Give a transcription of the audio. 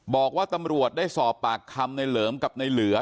บอกว่าตำรวจได้สอบปากคำในเหลิมกับในเหลือ